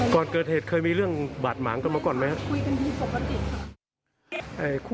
ก่อนเกิดเหตุเคยมีเรื่องบาดหมางกลับมาก่อนไหมฮะ